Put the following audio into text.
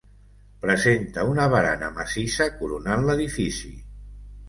Presenta una barana massissa coronant l'edifici.